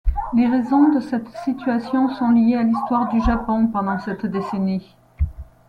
Les raisons de cette situation sont liées à l'histoire du Japon pendant cette décennie.